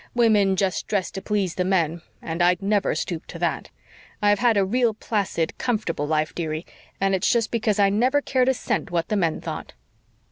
Women just dress to please the men, and I'd never stoop to THAT. I have had a real placid, comfortable life, dearie, and it's just because I never cared a cent what the men thought."